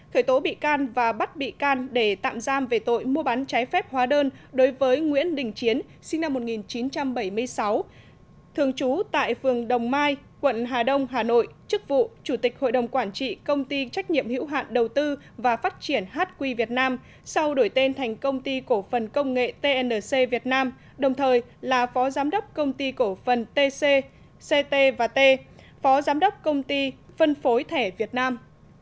hai khởi tố bị can và bắt bị can để tạm giam về tội mua bán trái phép hóa đơn đối với nguyễn đình chiến sinh năm một nghìn chín trăm bảy mươi sáu thường chú tại phường đồng mai quận hà đông hà nội chức vụ chủ tịch hội đồng quản trị công ty trách nhiệm hiểu hạn đầu tư và phát triển hq việt nam sau đổi tên thành công ty cổ phần công nghệ tnc việt nam đồng thời là phó giám đốc công ty cổ phần tc ct và t phó giám đốc công ty phân phối thẻ việt nam